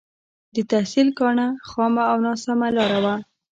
د تحصيل کاڼه خامه او ناسمه لاره وه.